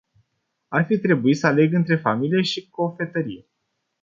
Ar fi trebuit să aleg între familie și cofetărie.